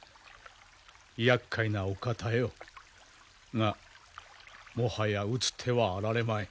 やっかいなお方よ。がもはや打つ手はあられまい。